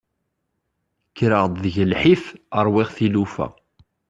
Kkreɣ-d deg lḥif ṛwiɣ tilufa.